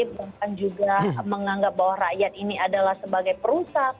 bahkan juga menganggap bahwa rakyat ini adalah sebagai perusahaan